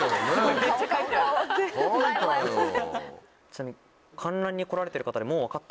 ちなみに。